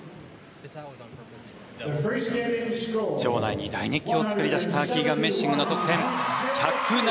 場内に大熱狂を作り上げたキーガン・メッシングの得点。